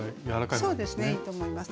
そうですねいいと思います。